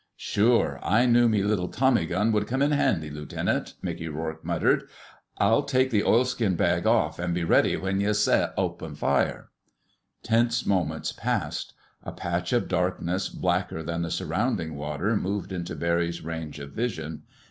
"Sure, I knew me little tommy gun would come in handy, Lieutenant," Mickey Rourke muttered. "I'll take the oilskin bag off and be ready when yez say, 'Open fire!'" Tense moments passed. A patch of darkness blacker than the surrounding water moved into Barry's range of vision.